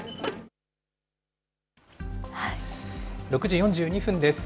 ６時４２分です。